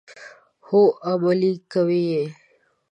هو، عملي کوي یې.